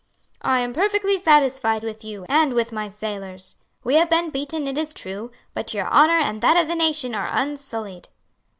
"I am perfectly satisfied with you and with my sailors. We have been beaten, it is true; but your honour and that of the nation are unsullied."